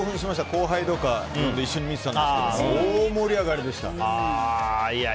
後輩とか呼んで一緒に見てたんですけど大盛り上がりでした。